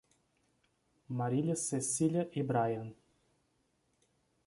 Maria Cecília e Bryan